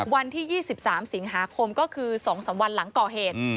วันที่๒๓สิงหาคมก็คือ๒๓วันหลังก่อเหตุ